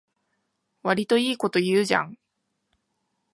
わりといいこと言うじゃん